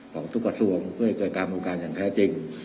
ของทุกกระทรวงเพื่อให้เกิดการบริการอย่างแท้จริง